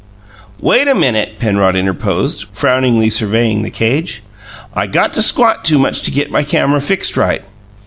"Wait a minute," Penrod interposed, frowningly surveying the cage. "I got to squat too much to get my camera fixed right."